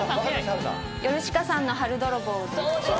ヨルシカさんの『春泥棒』です。